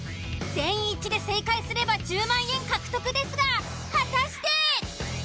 全員一致で正解すれば１０万円獲得ですが果たして！？